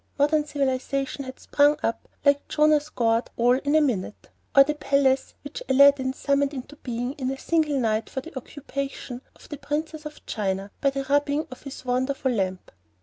modern civilization had sprung up like Jonah's gourd all in a minute, or like the palace which Aladdin summoned into being in a single night for the occupation of the Princess of China, by the rubbing of his wonderful lamp.